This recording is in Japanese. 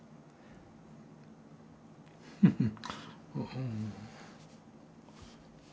フフッ。